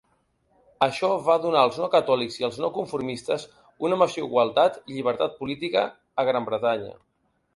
Això va donar als no catòlics i els no conformistes una major igualtat i llibertat política a Gran Bretanya.